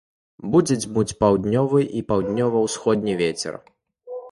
Будзе дзьмуць паўднёвы і паўднёва-ўсходні вецер.